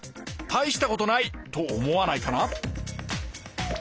大した事ないと思わないかな？